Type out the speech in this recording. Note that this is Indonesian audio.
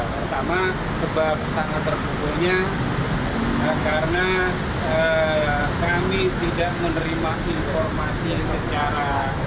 pertama sebab sangat terpukulnya karena kami tidak menerima informasi secara